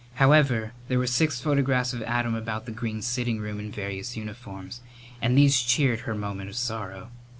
However, there were six photographs of Adam about the green sitting room in various uniforms, and these cheered her moment of sorrow.